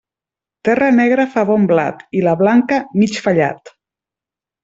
Terra negra fa bon blat, i la blanca, mig fallat.